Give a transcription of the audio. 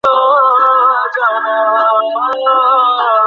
ওসমান গনি নিঃশব্দে গা দুলিয়ে হাসতে লাগলেন।